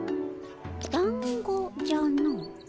だんごじゃの。